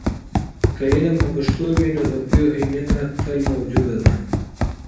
که علم په پښتو وي، نو د پوهې مینه تل موجوده ده.